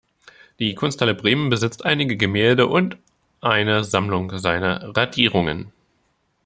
Die Kunsthalle Bremen besitzt einige Gemälde und eine Sammlung seiner Radierungen.